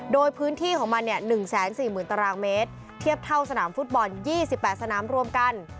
โดยพื้นที่ของมัน๑๔๐๐๐ตารางเมตรเทียบเท่าสนามฟุตบอล๒๘สนามรวมกัน